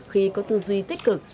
khi có tư duy tích cực